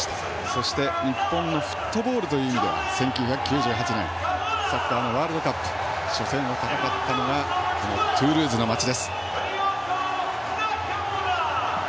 そして、日本のフットボールという意味では１９９８年サッカーのワールドカップ初戦を戦ったのはこのトゥールーズの町です。